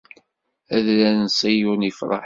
Adrar n Ṣiyun ifreḥ.